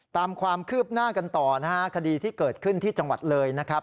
ตามความคืบหน้ากันต่อนะฮะคดีที่เกิดขึ้นที่จังหวัดเลยนะครับ